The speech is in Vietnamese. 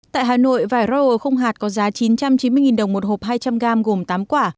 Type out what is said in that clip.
tại hà nội vải royer không hạt có giá chín trăm chín mươi đồng một hộp hai trăm linh gram gồm tám quả